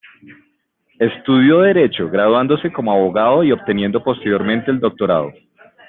Estudió derecho, graduándose como abogado y obteniendo posteriormente el doctorado.